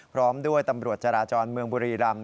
พร้อมด้วยตำรวจจราจรเมืองบุรีรำ